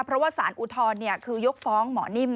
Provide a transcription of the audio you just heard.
เพราะว่าสารอุทธรณ์คือยกฟ้องหมอนิ่ม